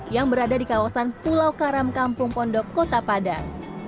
yang berada di kawasan pulau karam kampung pondok kota padang